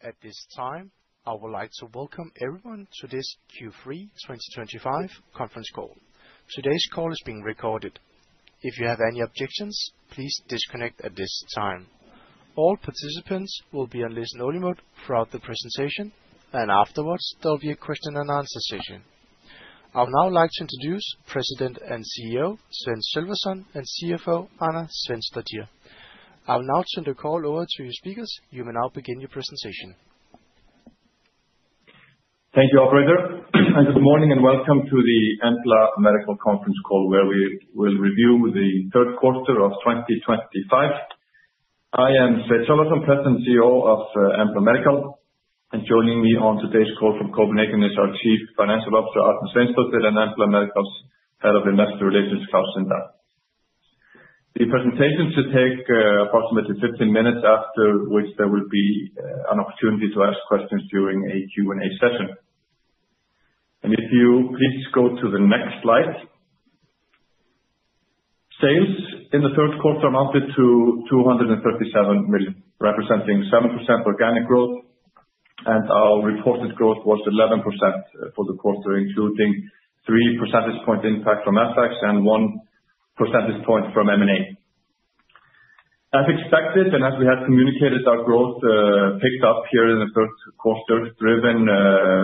At this time, I would like to welcome everyone to this Q3 2025 conference call. Today's call is being recorded. If you have any objections, please disconnect at this time. All participants will be on listen-only mode throughout the presentation, and afterwards, there will be a question-and-answer session. I would now like to introduce President and CEO Sveinn Sölvason and CFO Arna Sveinsdóttir. I will now turn the call over to your speakers. You may now begin your presentation. Thank you, Operator, and good morning and welcome to the Embla Medical conference call, where we will review the third quarter of 2025. I am Sveinn Sölvason, President and CEO of Embla Medical, and joining me on today's call from Copenhagen is our Chief Financial Officer, Arna Sveinsdóttir, and Embla Medical's Head of Investor Relations, Klaus Sindahl. The presentation should take approximately 15 minutes, after which there will be an opportunity to ask questions during a Q&A session. And if you please go to the next slide. Sales in the third quarter amounted to 237 million, representing 7% organic growth, and our reported growth was 11% for the quarter, including 3 percentage points impact from FX and 1 percentage point from M&A. As expected, and as we had communicated, our growth picked up here in the third quarter, driven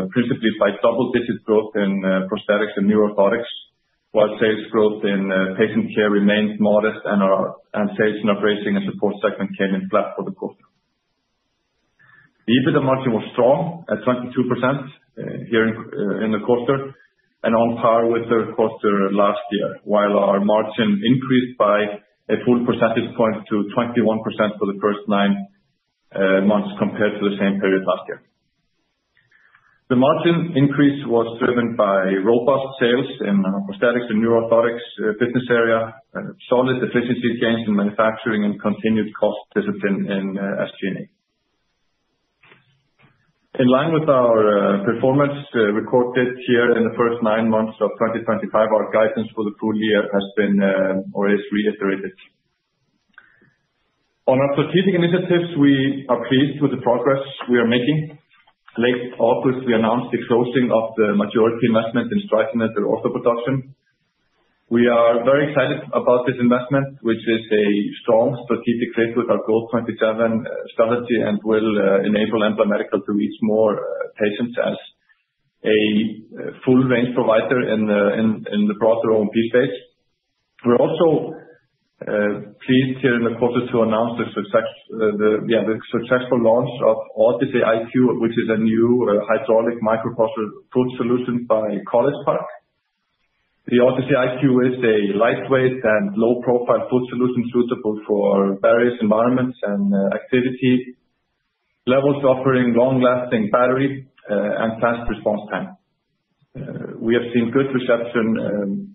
principally by double-digit growth in prosthetics and neuroorthotics, while sales growth in patient care remained modest, and sales in bracing and supports segment came in flat for the quarter. EBITDA margin was strong at 22% here in the quarter, and on par with the third quarter last year, while our margin increased by a full percentage point to 21% for the first nine months compared to the same period last year. The margin increase was driven by robust sales in prosthetics and neuroorthotics business area, solid efficiency gains in manufacturing, and continued cost discipline in SG&A. In line with our performance recorded here in the first nine months of 2025, our guidance for the full year has been or is reiterated. On our strategic initiatives, we are pleased with the progress we are making. Late August, we announced the closing of the majority investment in Fior & Gentz neuro orthotics. We are very excited about this investment, which is a strong strategic fit with our Growth 2027 strategy and will enable Embla Medical to reach more patients as a full-range provider in the broader O&P space. We're also pleased here in the quarter to announce the successful launch of Odyssey iQ, which is a new hydraulic microprocessor foot solution by College Park. The Odyssey iQ is a lightweight and low-profile foot solution suitable for various environments and activity levels, offering long-lasting battery and fast response time. We have seen good reception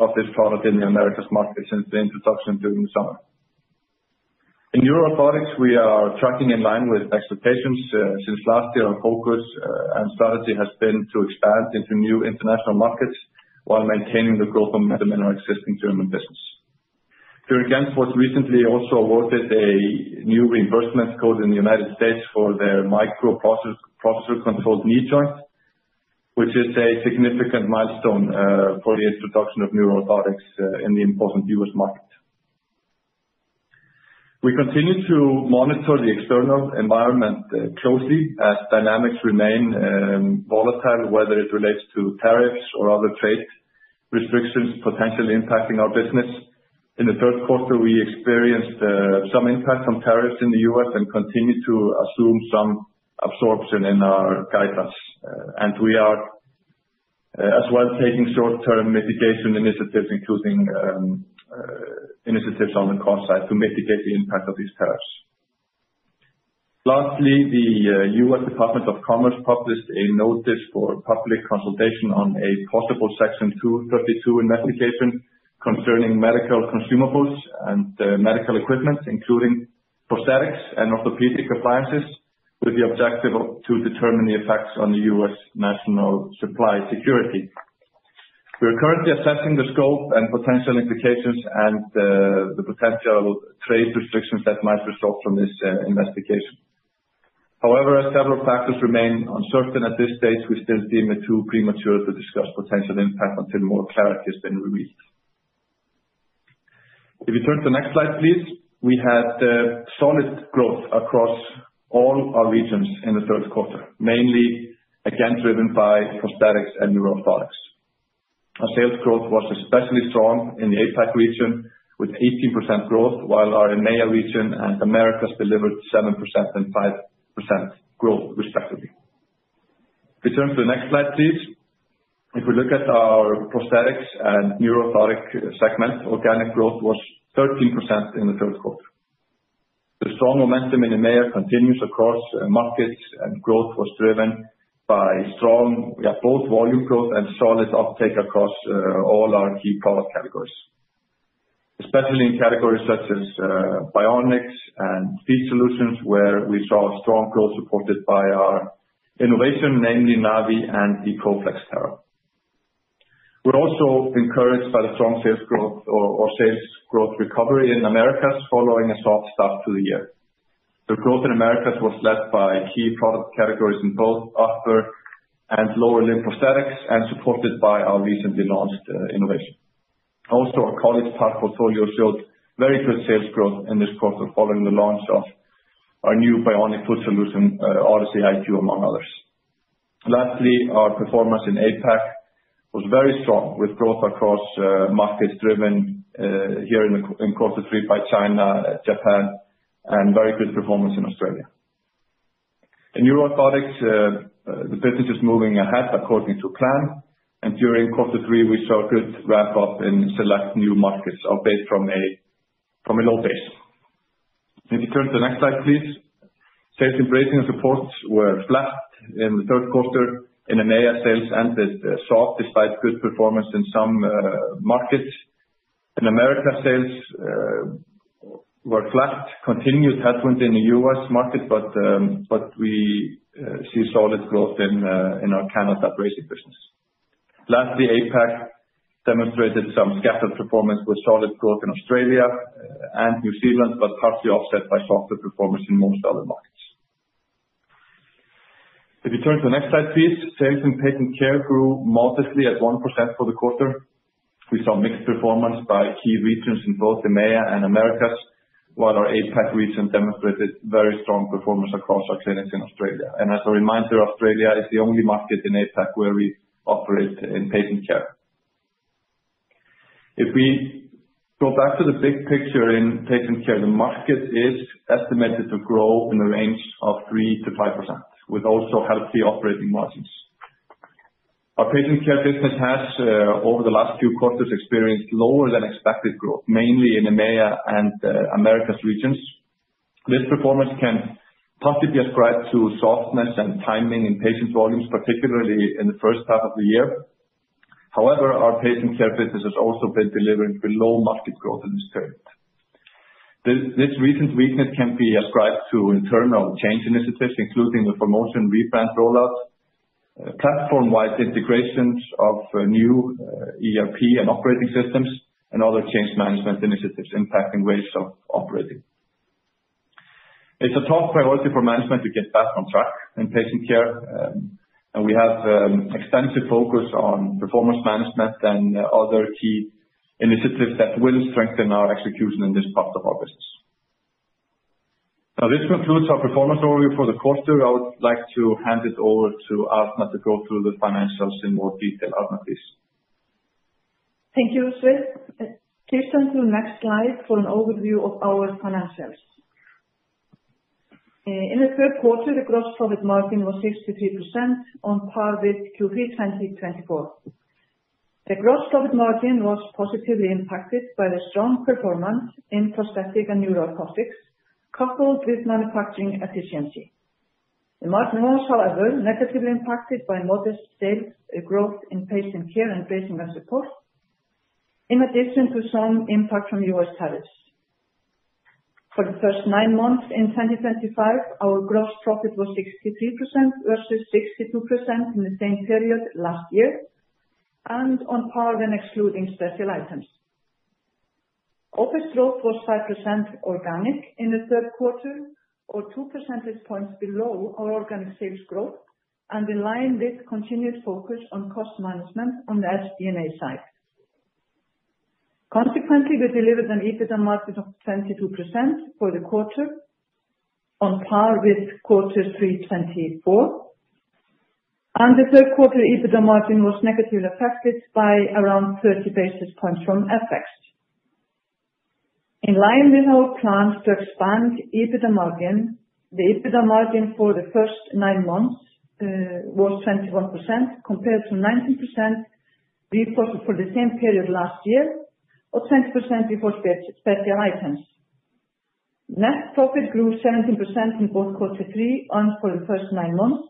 of this product in the Americas market since the introduction during the summer. In neuro orthotics, we are tracking in line with expectations since last year. Our focus and strategy has been to expand into new international markets while maintaining the growth of the existing German business. Fior & Gentz was recently also awarded a new reimbursement code in the United States for their microprocessor-controlled knee joint, which is a significant milestone for the introduction of neuroorthotics in the important U.S. market. We continue to monitor the external environment closely as dynamics remain volatile, whether it relates to tariffs or other trade restrictions potentially impacting our business. In the third quarter, we experienced some impact from tariffs in the U.S. and continue to assume some absorption in our guidance. And we are as well taking short-term mitigation initiatives, including initiatives on the cost side to mitigate the impact of these tariffs. Lastly, the U.S. Department of Commerce published a notice for public consultation on a possible Section 232 investigation concerning medical consumables and medical equipment, including prosthetics and orthopedic appliances, with the objective to determine the effects on U.S. national security. We're currently assessing the scope and potential implications and the potential trade restrictions that might result from this investigation. However, several factors remain uncertain at this stage. We still deem it too premature to discuss potential impact until more clarity has been released. If you turn to the next slide, please. We had solid growth across all our regions in the third quarter, mainly again driven by prosthetics and neuroorthotics. Our sales growth was especially strong in the APAC region with 18% growth, while our EMEA region and Americas delivered 7% and 5% growth respectively. If you turn to the next slide, please. If we look at our prosthetics and neuroorthotics segment, organic growth was 13% in the third quarter. The strong momentum in EMEA continues across markets, and growth was driven by strong both volume growth and solid uptake across all our key product categories, especially in categories such as bionics and feet solutions, where we saw strong growth supported by our innovation, namely Navii and Pro-Flex Terra. We're also encouraged by the strong sales growth or sales growth recovery in Americas following a soft start to the year. The growth in Americas was led by key product categories in both upper and lower limb prosthetics and supported by our recently launched innovation. Also, our College Park portfolio showed very good sales growth in this quarter following the launch of our new bionic foot solution, Odyssey iQ, among others. Lastly, our performance in APAC was very strong, with growth across markets driven here in quarter three by China, Japan, and very good performance in Australia. In neuroorthotics, the business is moving ahead according to plan, and during quarter three, we saw a good ramp-up in select new markets based from a low base. If you turn to the next slide, please. Sales in bracing and supports were flat in the third quarter. In EMEA, sales ended soft despite good performance in some markets. In Americas, sales were flat, continued headwind in the U.S. market, but we see solid growth in our OA bracing business. Lastly, APAC demonstrated some scattered performance with solid growth in Australia and New Zealand, but partially offset by softer performance in most other markets. If you turn to the next slide, please. Sales in Patient Care grew modestly at 1% for the quarter. We saw mixed performance by key regions in both EMEA and Americas, while our APAC region demonstrated very strong performance across our clinics in Australia, and as a reminder, Australia is the only market in APAC where we operate in patient care. If we go back to the big picture in patient care, the market is estimated to grow in the range of 3%-5%, with also healthy operating margins. Our patient care business has, over the last few quarters, experienced lower-than-expected growth, mainly in EMEA and Americas regions. This performance can possibly be ascribed to softness and timing in patient volumes, particularly in the first half of the year. However, our patient care business has also been delivering below-market growth in this period. This recent weakness can be ascribed to internal change initiatives, including the promotion rebrand rollout, platform-wide integrations of new ERP and operating systems, and other change management initiatives impacting ways of operating. It's a top priority for management to get back on track in patient care, and we have extensive focus on performance management and other key initiatives that will strengthen our execution in this part of our business. Now, this concludes our performance overview for the quarter. I would like to hand it over to Arna to go through the financials in more detail. Arna, please. Thank you, Sveinn. Please turn to the next slide for an overview of our financials. In the third quarter, the gross profit margin was 63% on par with Q3 2024. The gross profit margin was positively impacted by the strong performance in prosthetics and neuroorthotics, coupled with manufacturing efficiency. The margin was, however, negatively impacted by modest sales growth in patient care and bracing and supports, in addition to some impact from U.S. tariffs. For the first nine months in 2025, our gross profit was 63% versus 62% in the same period last year, and on par when excluding special items. OpEx growth was 5% organic in the third quarter, or 2 percentage points below our organic sales growth, and in line with continued focus on cost management on the SG&A side. Consequently, we delivered an EBITDA margin of 22% for the quarter, on par with quarter three 2024. And the third quarter EBITDA margin was negatively affected by around 30 basis points from FX. In line with our plan to expand EBITDA margin, the EBITDA margin for the first nine months was 21%, compared to 19% before, for the same period last year, or 20% before special items. Net profit grew 17% in both quarter three and for the first nine months.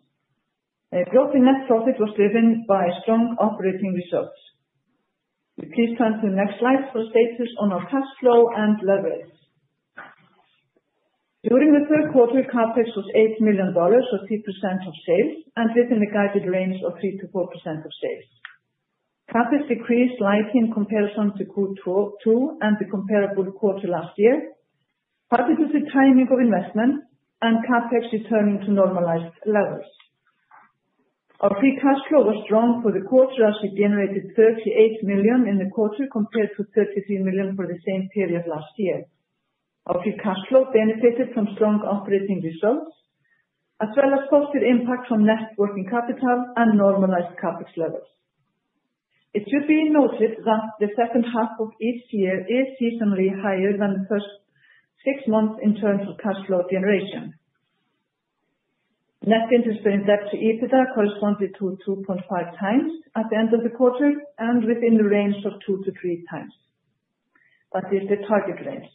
Growth in net profit was driven by strong operating results. Please turn to the next slide for status on our cash flow and leverage. During the third quarter, CapEx was ISK 8 million, or 3% of sales, and within the guided range of 3%-4% of sales. CapEx decreased slightly in comparison to Q2 and the comparable quarter last year, partly due to timing of investment and CapEx returning to normalized levels. Our free cash flow was strong for the quarter, as we generated 38 million in the quarter, compared to 33 million for the same period last year. Our free cash flow benefited from strong operating results, as well as positive impact from net working capital and normalized CapEx levels. It should be noted that the second half of each year is seasonally higher than the first six months in terms of cash flow generation. Net debt to EBITDA corresponded to 2.5x at the end of the quarter and within the range of 2x-3x, but it's the target range.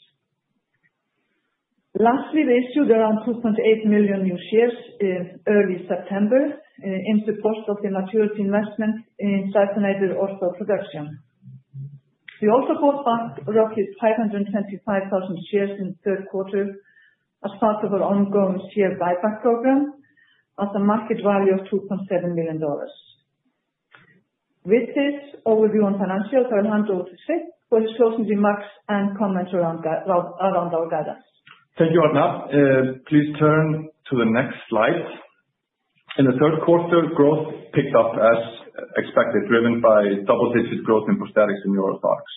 Lastly, we issued around 2.8 million new shares in early September in support of the majority investment in neuro orthotics. We also bought back a record 525,000 shares in the third quarter as part of our ongoing share buyback program at a market value of ISK 2.7 million. With this overview on financials, I'll hand over to Sveinn for his closing remarks and comments around our guidance. Thank you, Arna. Please turn to the next slide. In the third quarter, growth picked up as expected, driven by double-digit growth in prosthetics and neuroorthotics,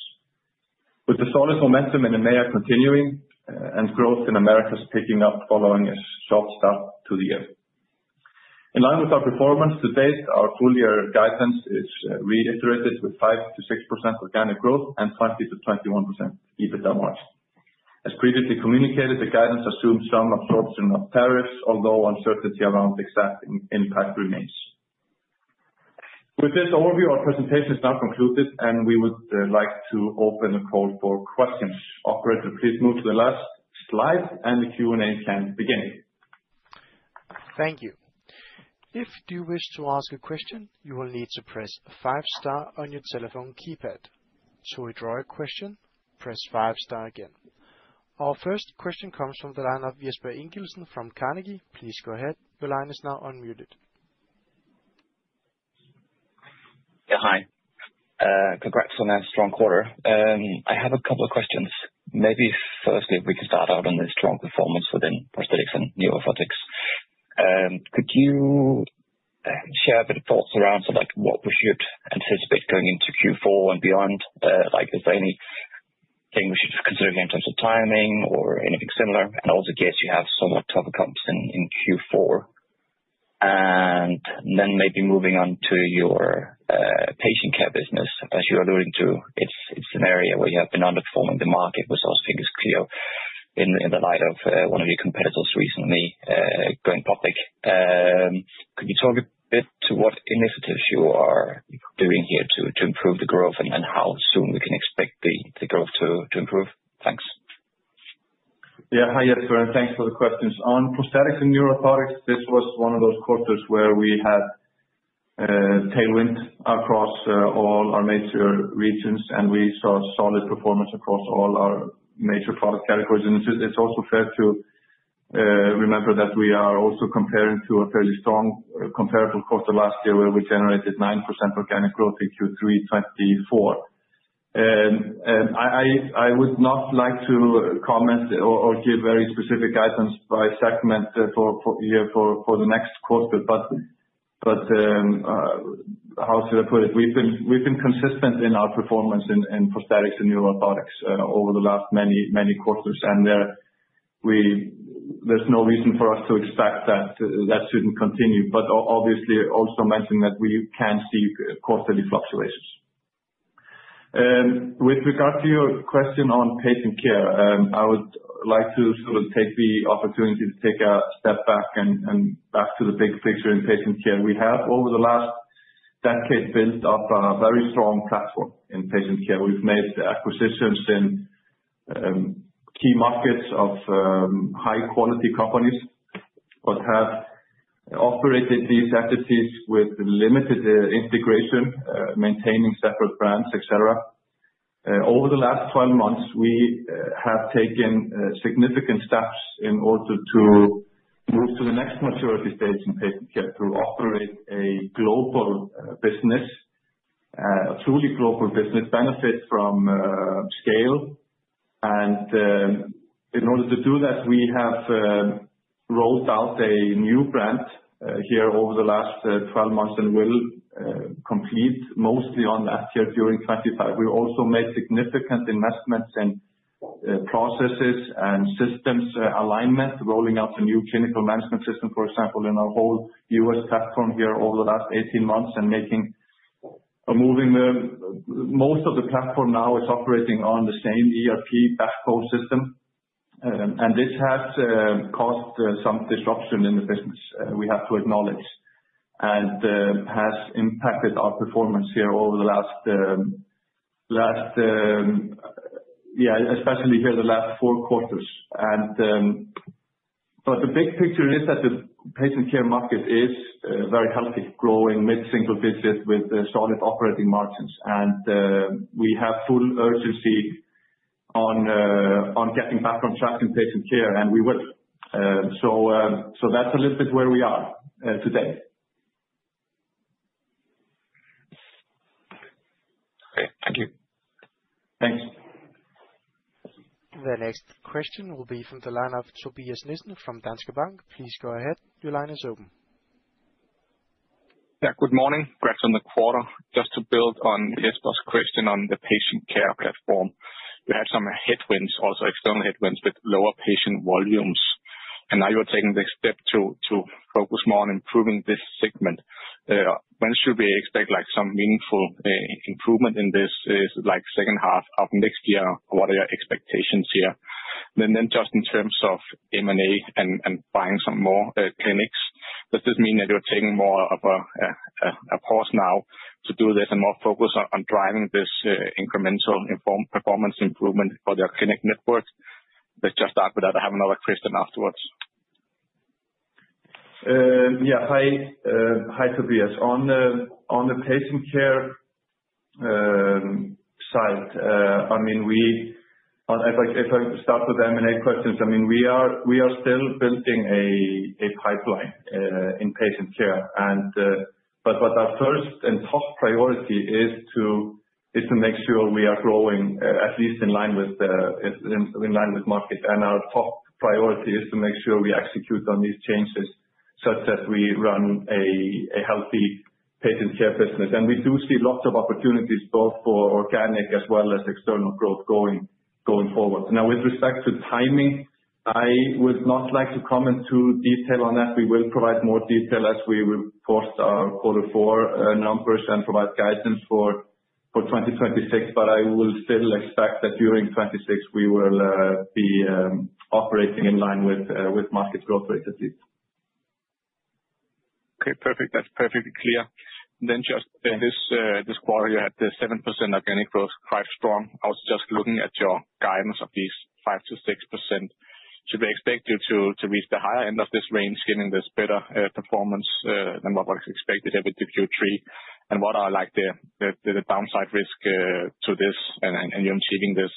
with the solid momentum in EMEA continuing and growth in Americas picking up following a soft start to the year. In line with our performance to date, our full-year guidance is reiterated with 5%-6% organic growth and 20%-21% EBITDA margin. As previously communicated, the guidance assumed some absorption of tariffs, although uncertainty around exact impact remains. With this overview, our presentation is now concluded, and we would like to open the call for questions. Operator, please move to the last slide, and the Q&A can begin. Thank you. If you wish to ask a question, you will need to press five-star on your telephone keypad. To withdraw a question, press five-star again. Our first question comes from the line of Jesper Ingildsen from Carnegie. Please go ahead. Your line is now unmuted. Yeah, hi. Congrats on a strong quarter. I have a couple of questions. Maybe firstly, if we can start out on the strong performance within prosthetics and Neuroorthotics, could you share a bit of thoughts around what we should anticipate going into Q4 and beyond? Is there anything we should consider here in terms of timing or anything similar? And also, I guess you have somewhat tougher comps in Q4. And then maybe moving on to your Patient Care business, as you alluded to, it's an area where you have been underperforming the market, which I think is clear in the light of one of your competitors recently going public. Could you talk a bit to what initiatives you are doing here to improve the growth and how soon we can expect the growth to improve? Thanks. Yeah, hi, Jesper, and thanks for the questions. On prosthetics and neuro orthotics, this was one of those quarters where we had tailwind across all our major regions, and we saw solid performance across all our major product categories. And it's also fair to remember that we are also comparing to a fairly strong comparable quarter last year, where we generated 9% organic growth in Q3 2024. I would not like to comment or give very specific guidance by segment here for the next quarter, but how should I put it? We've been consistent in our performance in prosthetics and neuro orthotics over the last many quarters, and there's no reason for us to expect that that shouldn't continue, but obviously also mentioning that we can see quarterly fluctuations. With regard to your question on patient care, I would like to sort of take the opportunity to take a step back and to the big picture in patient care. We have, over the last decade, built up a very strong platform in patient care. We've made acquisitions in key markets of high-quality companies, but have operated these entities with limited integration, maintaining separate brands, etc. Over the last 12 months, we have taken significant steps in order to move to the next maturity stage in patient care to operate a global business, a truly global business, benefit from scale. And in order to do that, we have rolled out a new brand here over the last 12 months and will complete mostly on that here during 2025. We've also made significant investments in processes and systems alignment, rolling out a new clinical management system, for example, in our whole U.S. platform here over the last 18 months, and now most of the platform now is operating on the same ERP backbone system, and this has caused some disruption in the business, we have to acknowledge, and has impacted our performance here over the last, yeah, especially here the last four quarters, but the big picture is that the Patient Care market is very healthy, growing mid-single-digit with solid operating margins, and we have full urgency on getting back on track in Patient Care, and we will, so that's a little bit where we are today. Okay, thank you. Thanks. The next question will be from the line of Tobias Nissen from Danske Bank. Please go ahead. Your line is open. Yeah, good morning. In the quarter, just to build on Jesper's question on the patient care platform, we had some headwinds, also external headwinds with lower patient volumes. And now you're taking the step to focus more on improving this segment. When should we expect some meaningful improvement in this second half of next year? What are your expectations here? And then just in terms of M&A and buying some more clinics, does this mean that you're taking more of a pause now to do this and more focus on driving this incremental performance improvement for your clinic network? Let's just start with that. I have another question afterwards. Yeah, hi, Tobias. On the Patient Care side, I mean, if I start with M&A questions, I mean, we are still building a pipeline in Patient Care. But our first and top priority is to make sure we are growing at least in line with market. And our top priority is to make sure we execute on these changes such that we run a healthy Patient Care business. And we do see lots of opportunities both for organic as well as external growth going forward. Now, with respect to timing, I would not like to comment in too much detail on that. We will provide more detail as we post our quarter four numbers and provide guidance for 2026, but I will still expect that during 2026 we will be operating in line with market growth rate at least. Okay, perfect. That's perfectly clear. Then just this quarter, you had the 7% organic growth, quite strong. I was just looking at your guidance of these 5%-6%. Should we expect you to reach the higher end of this range, giving this better performance than what was expected here with Q3? And what are the downside risks to this and you achieving this?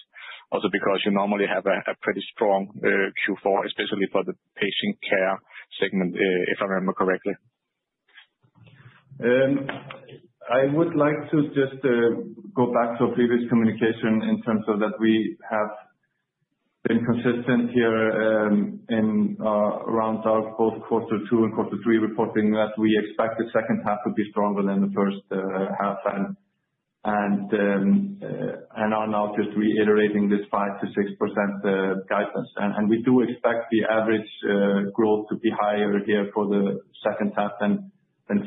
Also, because you normally have a pretty strong Q4, especially for the Patient Care segment, if I remember correctly. I would like to just go back to a previous communication in terms of that we have been consistent here around both quarter two and quarter three reporting that we expect the second half to be stronger than the first half, and I'm now just reiterating this 5%-6% guidance, and we do expect the average growth to be higher here for the second half than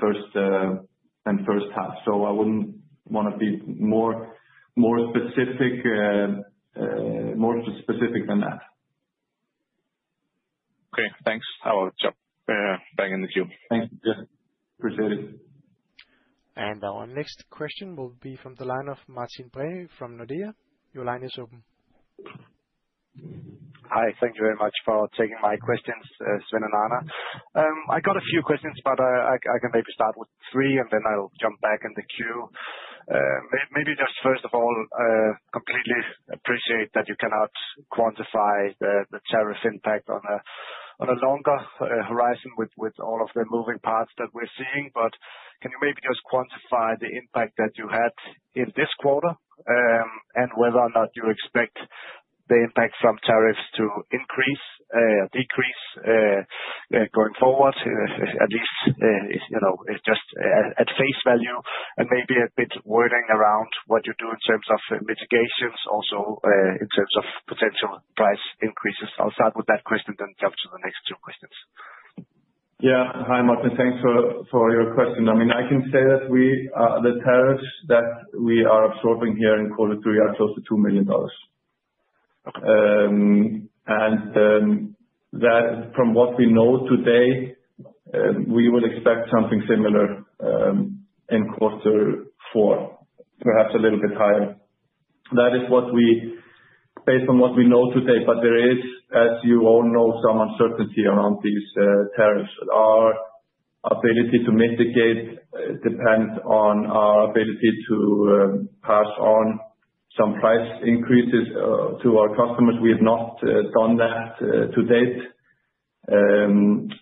first half, so I wouldn't want to be more specific than that. Okay, thanks. That was just banging the juke. Thank you. Appreciate it. And our next question will be from the line of Martin Brenøe from Nordea. Your line is open. Hi, thank you very much for taking my questions, Sveinn and Arna. I got a few questions, but I can maybe start with three and then I'll jump back in the queue. Maybe just first of all, completely appreciate that you cannot quantify the tariff impact on a longer horizon with all of the moving parts that we're seeing. But can you maybe just quantify the impact that you had in this quarter and whether or not you expect the impact from tariffs to increase or decrease going forward, at least just at face value, and maybe a bit wording around what you do in terms of mitigations, also in terms of potential price increases? I'll start with that question, then jump to the next two questions. Yeah, hi, Martin. Thanks for your question. I mean, I can say that the tariffs that we are absorbing here in quarter three are close to $2 million, and from what we know today, we would expect something similar in quarter four, perhaps a little bit higher. That is based on what we know today, but there is, as you all know, some uncertainty around these tariffs. Our ability to mitigate depends on our ability to pass on some price increases to our customers. We have not done that to date.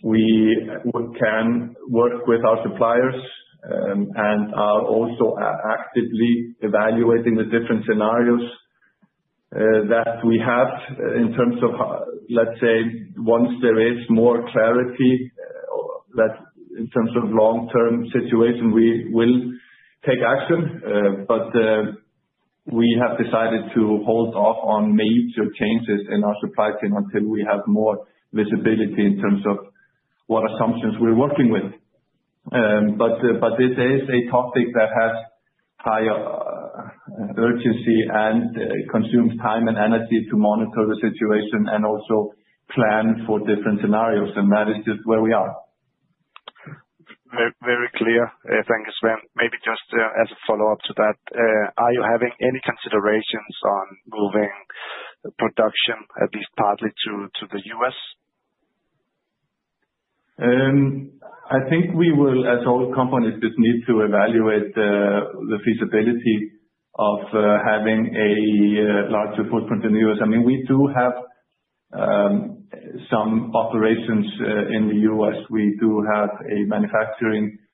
We can work with our suppliers and are also actively evaluating the different scenarios that we have in terms of, let's say, once there is more clarity in terms of long-term situation, we will take action. But we have decided to hold off on major changes in our supply chain until we have more visibility in terms of what assumptions we're working with. But this is a topic that has higher urgency and consumes time and energy to monitor the situation and also plan for different scenarios. And that is just where we are. Very clear. Thank you, Sveinn. Maybe just as a follow-up to that, are you having any considerations on moving production, at least partly, to the U.S.? I think we will, as all companies, just need to evaluate the feasibility of having a larger footprint in the U.S. I mean, we do have some operations in the U.S. We do have a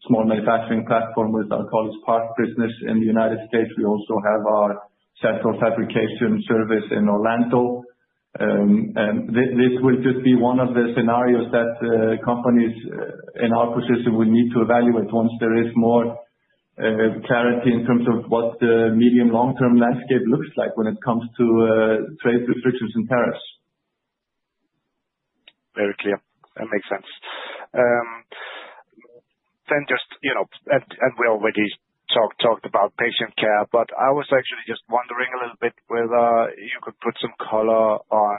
small manufacturing platform with our College Park business in the United States. We also have our central fabrication service in Orlando. And this will just be one of the scenarios that companies in our position will need to evaluate once there is more clarity in terms of what the medium-long-term landscape looks like when it comes to trade restrictions and tariffs. Very clear. That makes sense, then just, and we already talked about patient care, but I was actually just wondering a little bit whether you could put some color on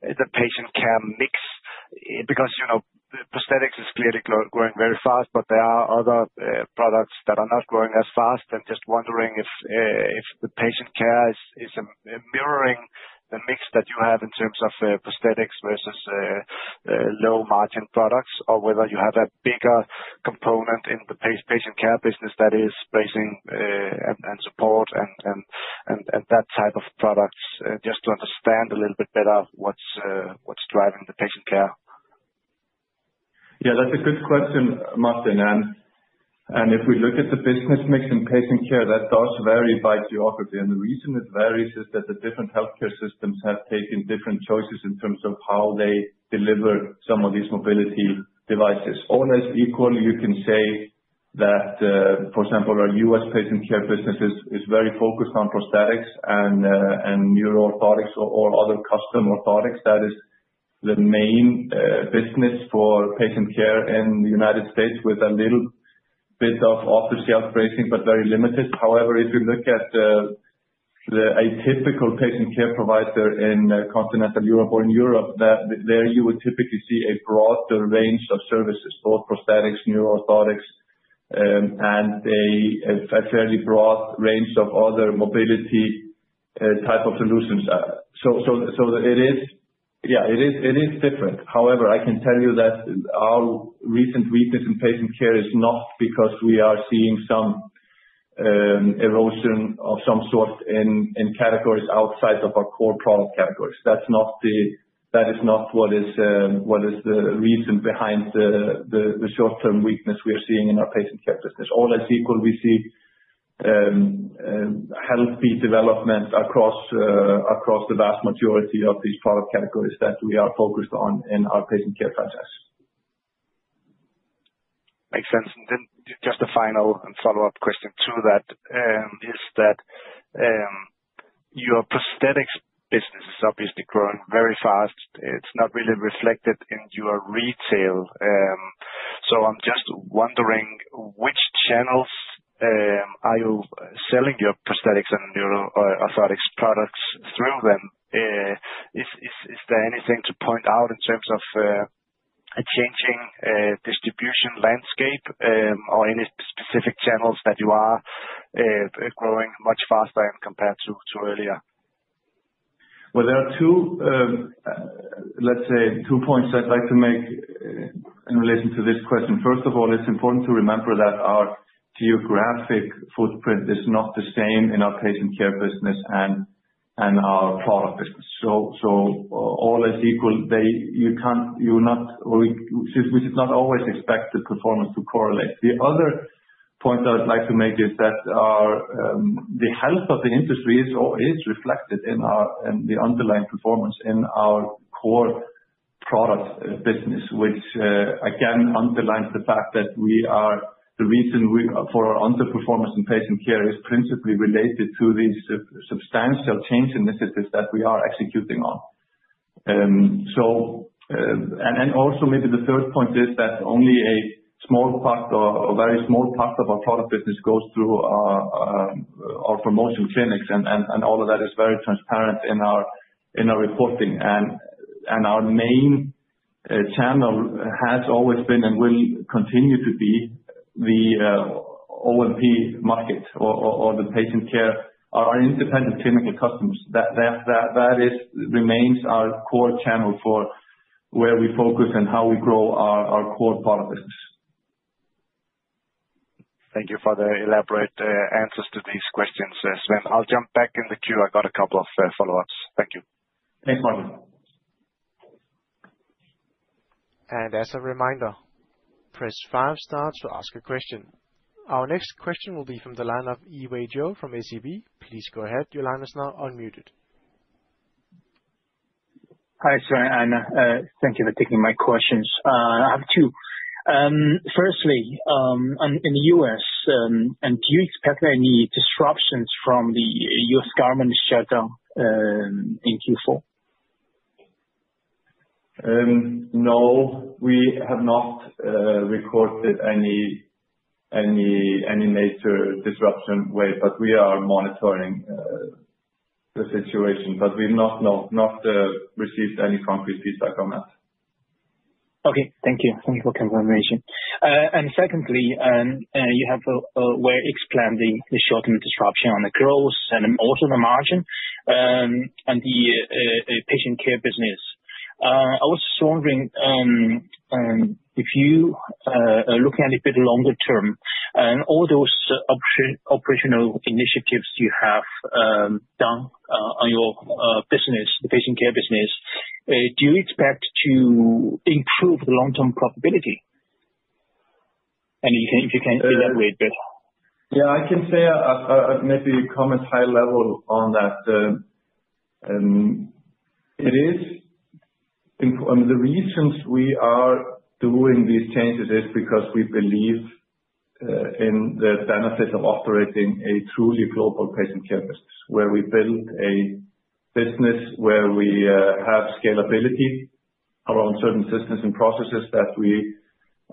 the patient care mix, because prosthetics is clearly growing very fast, but there are other products that are not growing as fast, and just wondering if the patient care is mirroring the mix that you have in terms of prosthetics versus low-margin products, or whether you have a bigger component in the patient care business that is bracing and supports and that type of products, just to understand a little bit better what's driving the patient care. Yeah, that's a good question, Martin. And if we look at the business mix in Patient Care, that does vary by geography. And the reason it varies is that the different healthcare systems have taken different choices in terms of how they deliver some of these mobility devices. Almost equally, you can say that, for example, our U.S. Patient Care business is very focused on prosthetics and neuroorthotics or other custom orthotics. That is the main business for Patient Care in the United States, with a little bit of off-the-shelf bracing, but very limited. However, if you look at the typical Patient Care provider in continental Europe or in Europe, there you would typically see a broader range of services, both prosthetics, neuroorthotics, and a fairly broad range of other mobility type of solutions. So it is, yeah, it is different. However, I can tell you that our recent weakness in Patient Care is not because we are seeing some erosion of some sort in categories outside of our core product categories. That is not what is the reason behind the short-term weakness we are seeing in our Patient Care business. All else equal, we see healthy development across the vast majority of these product categories that we are focused on in our Patient Care projects. Makes sense, and then just a final and follow-up question to that is that your prosthetics business is obviously growing very fast. It's not really reflected in your retail, so I'm just wondering which channels are you selling your prosthetics and neuroorthotics products through them? Is there anything to point out in terms of a changing distribution landscape or any specific channels that you are growing much faster compared to earlier? There are two, let's say, two points I'd like to make in relation to this question. First of all, it's important to remember that our geographic footprint is not the same in our Patient Care business and our product business. So all else equal, you should not always expect the performance to correlate. The other point I'd like to make is that the health of the industry is reflected in the underlying performance in our core product business, which, again, underlines the fact that the reason for our underperformance in Patient Care is principally related to these substantial change initiatives that we are executing on. And also, maybe the third point is that only a small part or very small part of our product business goes through our own clinics, and all of that is very transparent in our reporting. Our main channel has always been and will continue to be the O&P market or Patient Care or our independent clinical customers. That remains our core channel for where we focus and how we grow our core product business. Thank you for the elaborate answers to these questions, Sveinn. I'll jump back in the queue. I've got a couple of follow-ups. Thank you. Thanks, Martin. And as a reminder, press five stars to ask a question. Our next question will be from the line of Yiwei Zhou from SEB. Please go ahead. Your line is now unmuted. Hi, Sveinn. Thank you for taking my questions. I have two. Firstly, in the U.S., do you expect any disruptions from the U.S. government shutdown in Q4? No, we have not recorded any major disruption wave, but we are monitoring the situation, but we have not received any concrete feedback on that. Okay. Thank you. Thank you for confirmation. And secondly, you have explained the short-term disruption on the growth and also the margin and the Patient Care business. I was just wondering, if you are looking at a bit longer term, and all those operational initiatives you have done on your business, the Patient Care business, do you expect to improve the long-term profitability? And if you can elaborate a bit. Yeah, I can say maybe a comment high level on that. It is the reasons we are doing these changes is because we believe in the benefit of operating a truly global Patient Care business, where we build a business where we have scalability around certain systems and processes that we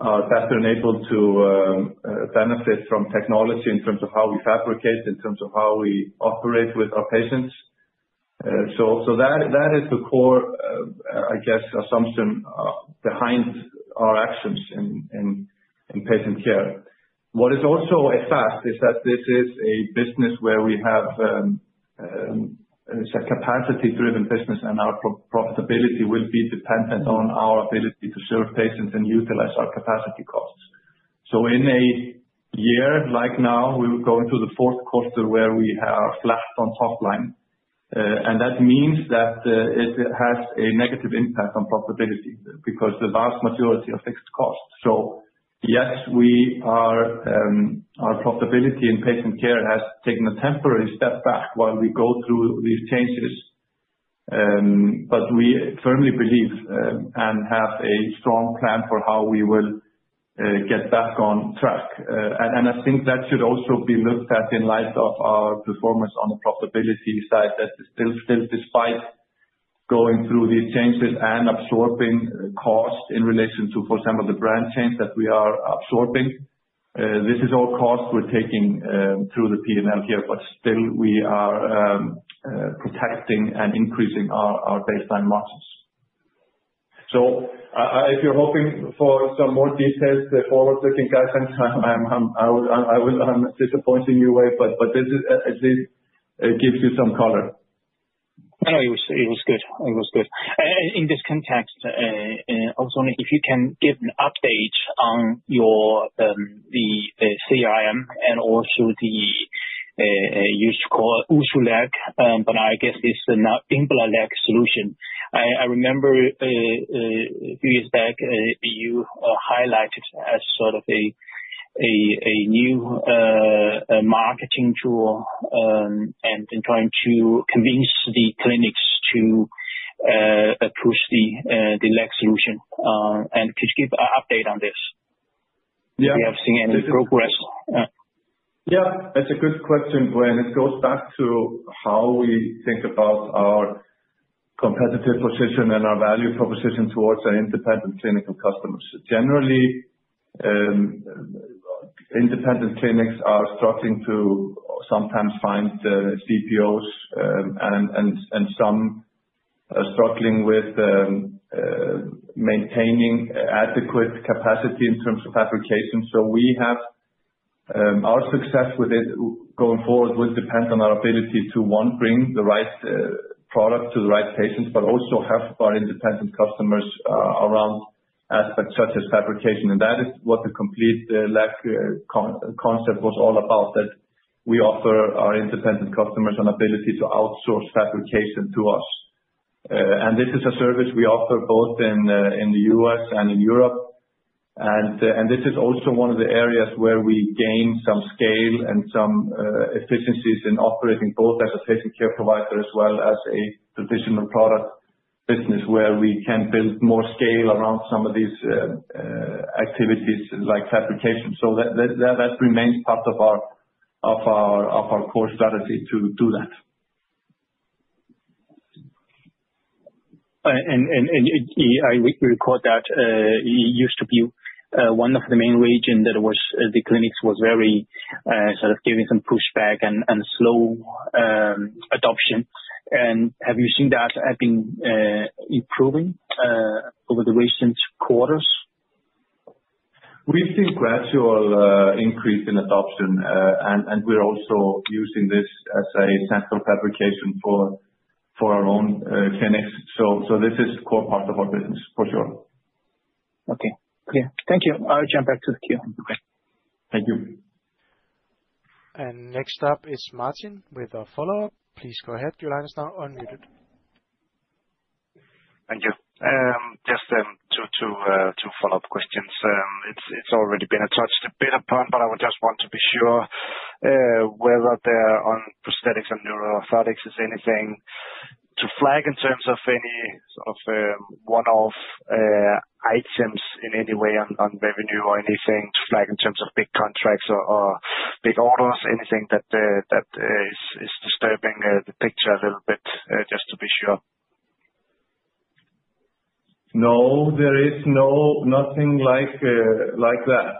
are able to benefit from technology in terms of how we fabricate, in terms of how we operate with our patients. So that is the core, I guess, assumption behind our actions in Patient Care. What is also a fact is that this is a business where we have a capacity-driven business, and our profitability will be dependent on our ability to serve patients and utilize our capacity costs. So in a year like now, we will go into the fourth quarter where we are flat on top line. And that means that it has a negative impact on profitability because the vast majority are fixed costs. So yes, our profitability in Patient Care has taken a temporary step back while we go through these changes, but we firmly believe and have a strong plan for how we will get back on track. And I think that should also be looked at in light of our performance on the profitability side, that still, despite going through these changes and absorbing cost in relation to, for example, the brand change that we are absorbing, this is all cost we're taking through the P&L here, but still, we are protecting and increasing our baseline margins. So if you're hoping for some more details, the forward-looking guidelines, I will disappoint you anyway, but this gives you some color. No, it was good. It was good. In this context, I was wondering if you can give an update on the CRM and also the used U.S. L-code, but I guess it's an Embla L-code solution. I remember a few years back, you highlighted as sort of a new marketing tool and trying to convince the clinics to push the L-code solution, and could you give an update on this? Do you have seen any progress? Yeah. That's a good question, Yiwei. It goes back to how we think about our competitive position and our value proposition toward our independent clinical customers. Generally, independent clinics are struggling to sometimes find CPOs, and some are struggling with maintaining adequate capacity in terms of fabrication. So our success with it going forward will depend on our ability to, one, bring the right product to the right patients, but also have our independent customers around aspects such as fabrication. And that is what the complete leg concept was all about, that we offer our independent customers an ability to outsource fabrication to us. And this is a service we offer both in the U.S. and in Europe. And this is also one of the areas where we gain some scale and some efficiencies in operating both as a patient care provider as well as a traditional product business, where we can build more scale around some of these activities like fabrication. So that remains part of our core strategy to do that. And we recall that it used to be one of the main regions that the clinics were very sort of giving some pushback and slow adoption. And have you seen that being improving over the recent quarters? We've seen gradual increase in adoption, and we're also using this as a central fabrication for our own clinics, so this is a core part of our business, for sure. Okay. Clear. Thank you. I'll jump back to the queue. Thank you. Next up is Martin with a follow-up. Please go ahead. Your line is now unmuted. Thank you. Just two follow-up questions. It's already been touched a bit upon, but I would just want to be sure whether on prosthetics and neuroorthotics is anything to flag in terms of any sort of one-off items in any way on revenue or anything to flag in terms of big contracts or big orders, anything that is disturbing the picture a little bit, just to be sure. No, there is nothing like that.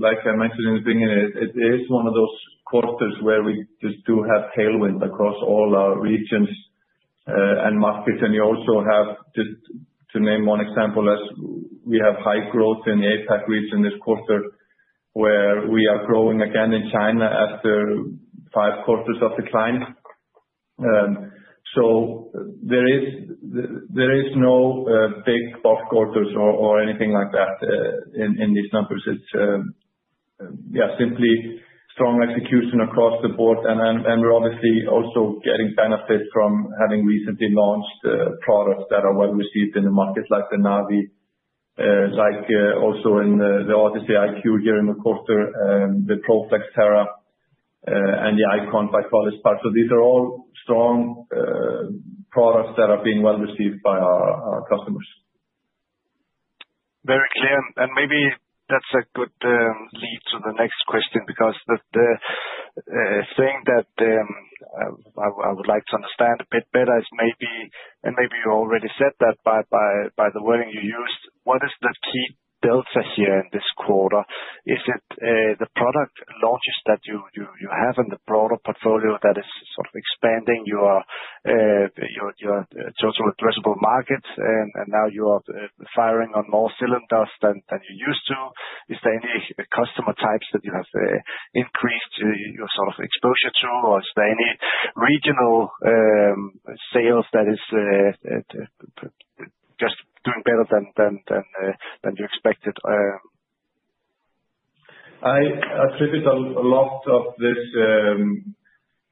Like I mentioned in the beginning, it is one of those quarters where we just do have tailwind across all our regions and markets. And you also have, just to name one example, we have high growth in the APAC region this quarter, where we are growing again in China after five quarters of decline. So there is no big quarters or anything like that in these numbers. It's, yeah, simply strong execution across the board. And we're obviously also getting benefit from having recently launched products that are well received in the market, like the Navii, like also in the Odyssey iQ here in the quarter, the Pro-Flex Terra, and the Icon by College Park. So these are all strong products that are being well received by our customers. Very clear, and maybe that's a good lead to the next question because the thing that I would like to understand a bit better is maybe, and maybe you already said that by the wording you used, what is the key delta here in this quarter? Is it the product launches that you have in the broader portfolio that is sort of expanding your total addressable market, and now you are firing on more cylinders than you used to? Is there any customer types that you have increased your sort of exposure to, or is there any regional sales that is just doing better than you expected? I attribute a lot of this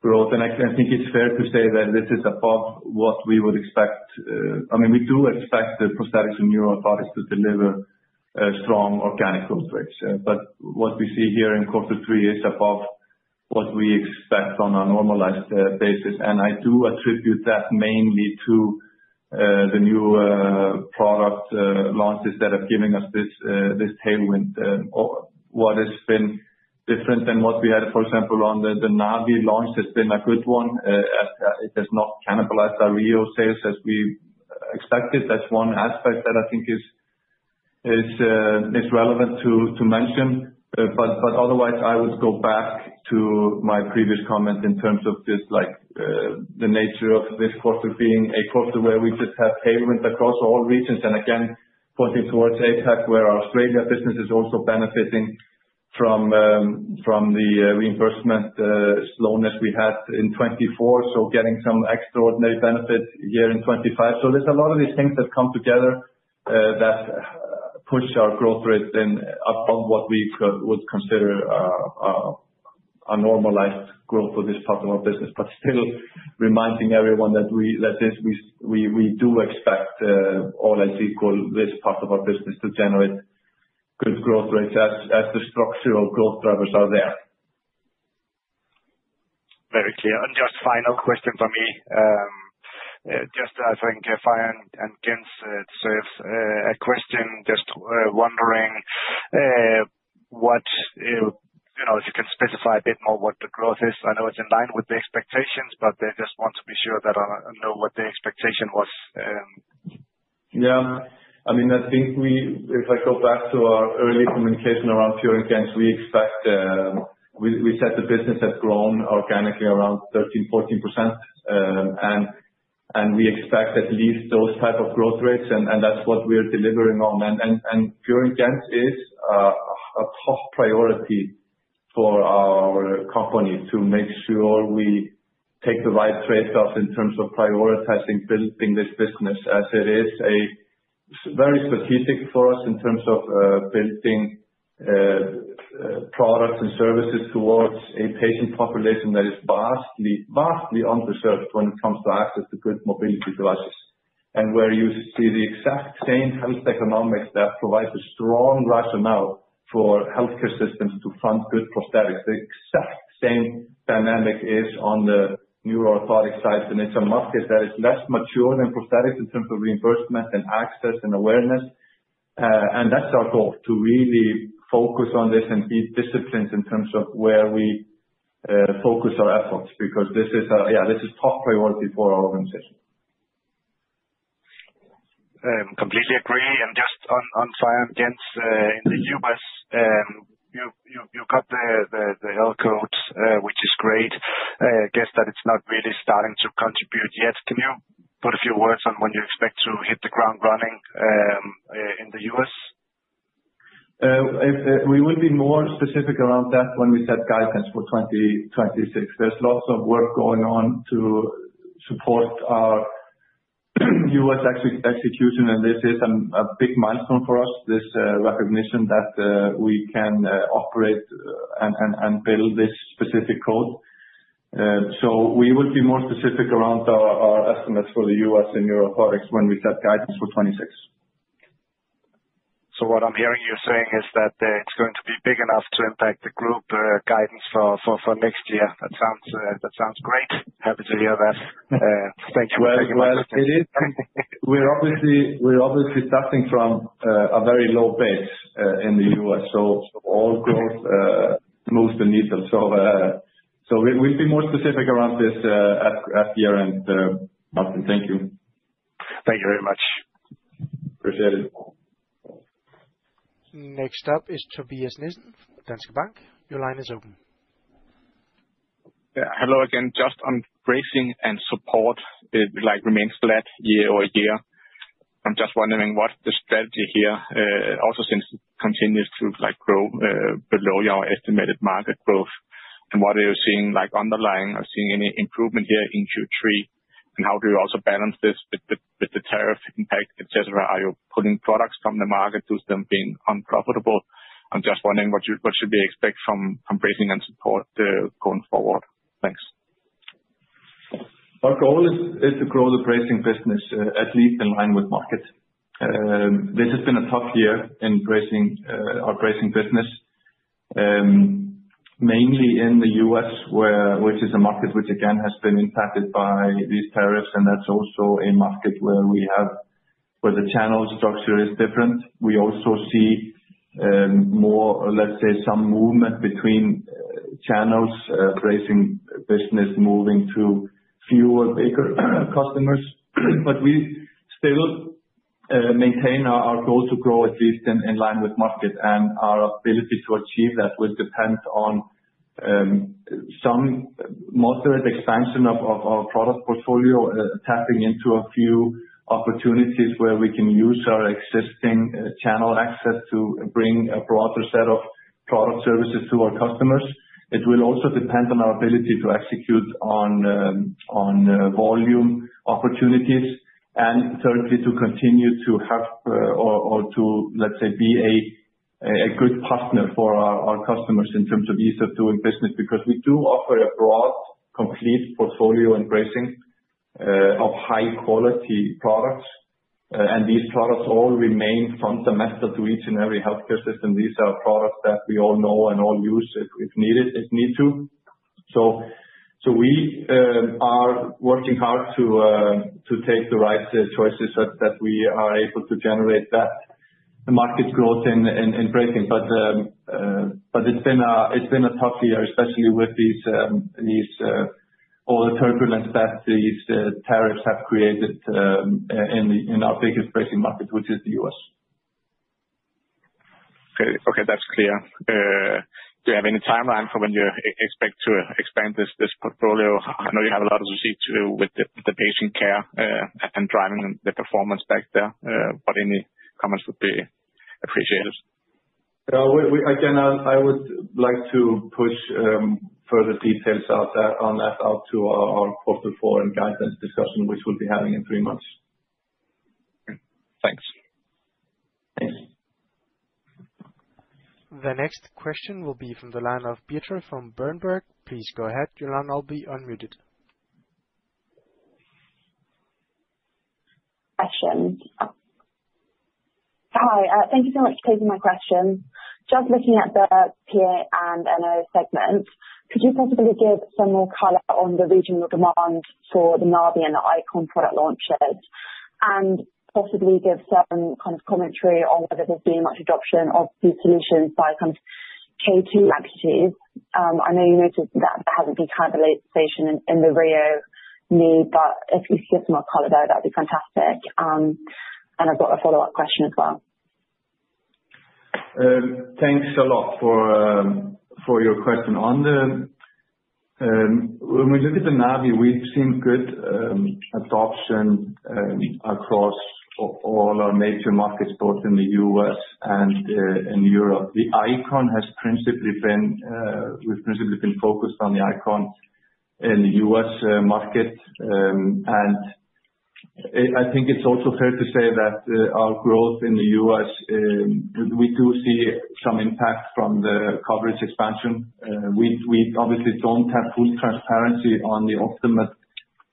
growth, and I think it's fair to say that this is above what we would expect. I mean, we do expect the prosthetics and neuroorthotics to deliver strong organic growth rates. But what we see here in quarter three is above what we expect on a normalized basis. And I do attribute that mainly to the new product launches that have given us this tailwind. What has been different than what we had, for example, on the Navii launch has been a good one. It has not cannibalized our real sales as we expected. That's one aspect that I think is relevant to mention. But otherwise, I would go back to my previous comment in terms of just the nature of this quarter being a quarter where we just have tailwind across all regions. And again, pointing towards APAC, where our Australia business is also benefiting from the reimbursement slowness we had in 2024, so getting some extraordinary benefit here in 2025. So there's a lot of these things that come together that push our growth rate above what we would consider a normalized growth for this part of our business, but still reminding everyone that we do expect, all else equal, this part of our business to generate good growth rates as the structural growth drivers are there. Very clear. And just final question for me, just I think Fior & Gentz serves, a question just wondering if you can specify a bit more what the growth is. I know it's in line with the expectations, but I just want to be sure that I know what the expectation was. Yeah. I mean, I think if I go back to our early communication around Fior & Gentz, we expect we said the business has grown organically around 13%-14%, and we expect at least those type of growth rates, and that's what we're delivering on. And Fior & Gentz is a top priority for our company to make sure we take the right trade-offs in terms of prioritizing building this business as it is very strategic for us in terms of building products and services towards a patient population that is vastly underserved when it comes to access to good mobility devices. And where you see the exact same health economics that provides a strong rationale for healthcare systems to fund good prosthetics, the exact same dynamic is on the neuroorthotic side. And it's a market that is less mature than prosthetics in terms of reimbursement and access and awareness. And that's our goal, to really focus on this and be disciplined in terms of where we focus our efforts because this is, yeah, this is top priority for our organization. Completely agree. And just on Fior & Gentz in the U.S., you got the L-code, which is great. I guess that it's not really starting to contribute yet. Can you put a few words on when you expect to hit the ground running in the U.S.? We will be more specific around that when we set guidelines for 2026. There's lots of work going on to support our U.S. execution, and this is a big milestone for us, this recognition that we can operate and build this specific code. So we will be more specific around our estimates for the U.S. and neuroorthotics when we set guidance for 2026. What I'm hearing you're saying is that it's going to be big enough to impact the group guidance for next year. That sounds great. Happy to hear that. Thank you very much. Well, it is. We're obviously starting from a very low base in the U.S., so all growth moves the needle. So we'll be more specific around this at year-end. Martin, thank you. Thank you very much. Appreciate it. Next up is Tobias Nissen, Danske Bank. Your line is open. Hello again. Just on bracing and supports, it remains flat year over year. I'm just wondering what the strategy here, also since it continues to grow below your estimated market growth, and what are you seeing underlying? Are you seeing any improvement here in Q3? And how do you also balance this with the tariff impact, etc.? Are you pulling products from the market due to them being unprofitable? I'm just wondering what should we expect from bracing and supports going forward? Thanks. Our goal is to grow the bracing business at least in line with market. This has been a tough year in our bracing business, mainly in the U.S., which is a market which, again, has been impacted by these tariffs. And that's also a market where the channel structure is different. We also see more, let's say, some movement between channels, bracing business moving to fewer bigger customers. But we still maintain our goal to grow at least in line with market. And our ability to achieve that will depend on some moderate expansion of our product portfolio, tapping into a few opportunities where we can use our existing channel access to bring a broader set of product services to our customers. It will also depend on our ability to execute on volume opportunities and, thirdly, to continue to have or to, let's say, be a good partner for our customers in terms of ease of doing business because we do offer a broad, complete portfolio and bracing of high-quality products, and these products all remain fundamental to each and every healthcare system. These are products that we all know and all use if need to, so we are working hard to take the right choices so that we are able to generate that market growth in bracing, but it's been a tough year, especially with these all the turbulence that these tariffs have created in our biggest bracing market, which is the U.S. Okay. Okay. That's clear. Do you have any timeline for when you expect to expand this portfolio? I know you have a lot of reach with the Patient Care and driving the performance back there, but any comments would be appreciated. Again, I would like to push further details on that out to our quarter four and guidelines discussion, which we'll be having in three months. Thanks. Thanks. The next question will be from the line of [Pieter] from Berenberg. Please go ahead. Your line will be unmuted. Question. Hi. Thank you so much for taking my question. Just looking at the PA and NOA segment, could you possibly give some more color on the regional demand for the Navii and the Icon product launches and possibly give some kind of commentary on whether there's been much adoption of these solutions by kind of K2 entities? I know you noticed that there hasn't been kind of acceleration in the Rheo Knee, but if you could give some more color, that would be fantastic. And I've got a follow-up question as well. Thanks a lot for your question. When we look at the Navii, we've seen good adoption across all our major markets, both in the U.S. and in Europe. The Icon, we've principally been focused on the Icon in the U.S. market. I think it's also fair to say that our growth in the U.S., we do see some impact from the coverage expansion. We obviously don't have full transparency on the ultimate,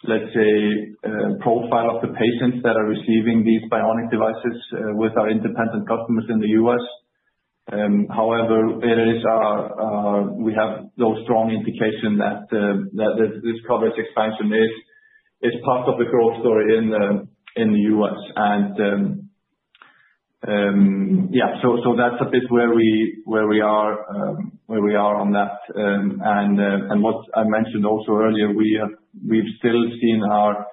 let's say, profile of the patients that are receiving these bionic devices with our independent customers in the U.S. However, we have no strong indication that this coverage expansion is part of the growth story in the U.S. Yeah, so that's a bit where we are on that. And what I mentioned also earlier, we've still seen our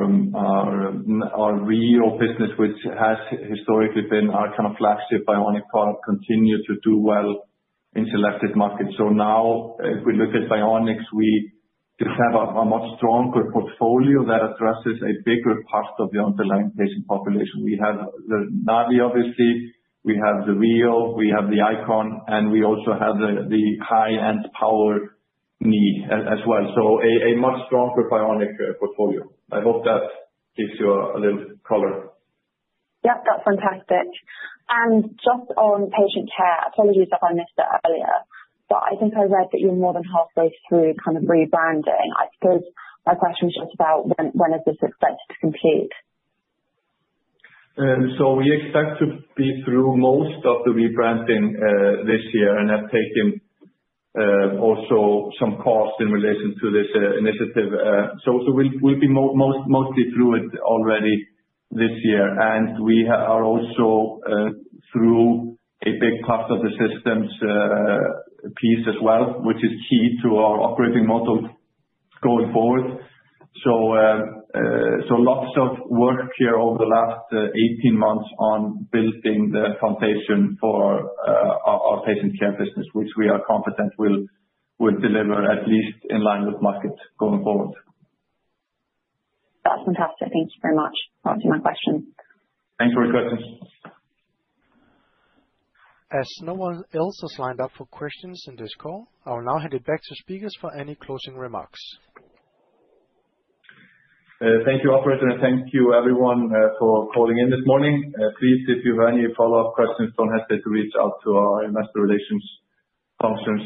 real business, which has historically been our kind of flagship bionic product, continue to do well in selected markets. So now, if we look at bionics, we just have a much stronger portfolio that addresses a bigger part of the underlying patient population. We have the Navii, obviously. We have the Rheo. We have the Icon. And we also have the high-end Power Knee as well. So a much stronger bionic portfolio. I hope that gives you a little color. Yeah. That's fantastic. And just on Patient Care, apologies if I missed it earlier, but I think I read that you're more than halfway through kind of rebranding. I suppose my question was just about when is this expected to complete? So we expect to be through most of the rebranding this year and have taken also some costs in relation to this initiative. So we'll be mostly through it already this year. And we are also through a big part of the systems piece as well, which is key to our operating model going forward. So lots of work here over the last 18 months on building the foundation for our patient care business, which we are confident will deliver at least in line with market going forward. That's fantastic. Thank you very much. That was my question. Thanks for your questions. As no one else has lined up for questions in this call, I will now hand it back to speakers for any closing remarks. Thank you, Operator, and thank you, everyone, for calling in this morning. Please, if you have any follow-up questions, don't hesitate to reach out to our investor relations function.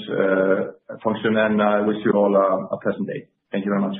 And I wish you all a pleasant day. Thank you very much.